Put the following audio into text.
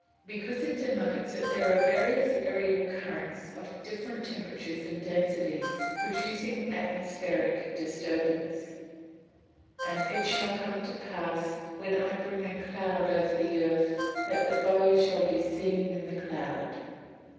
_ Because it denotes that there are various ærial currents of different temperatures and densities, producing atmospheric disturbance. [Verse: "And it shall come to pass, when I bring a cloud over the earth, that the bow shall be seen in the cloud."